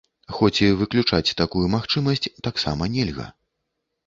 Хоць і выключаць такую магчымасць таксама нельга.